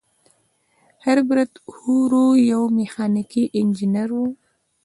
هربرت هوور یو میخانیکي انجینر و.